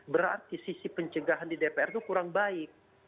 berarti sisi pencegahan di dpr itu kurang baik